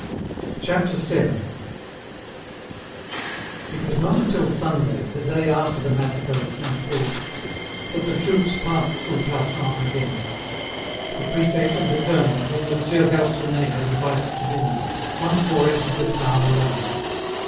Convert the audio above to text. CHAPTER VII It was not until Sunday, the day after the massacre at Sainte Roure, that the troops passed through Plassans again. The prefect and the colonel, whom Monsieur Garconnet had invited to dinner, once more entered the town alone.